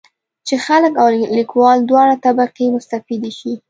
چې خلک او لیکوال دواړه طبقې مستفیدې شي.